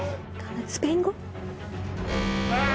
スペイン語？